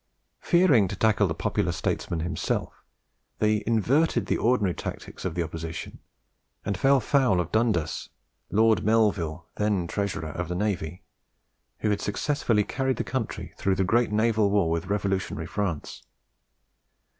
Fearing to tackle the popular statesman himself, they inverted the ordinary tactics of an opposition, and fell foul of Dundas, Lord Melville, then Treasurer of the Navy, who had successfully carried the country through the great naval war with revolutionary France.